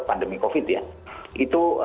pandemi covid ya itu